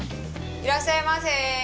いらっしゃいませ。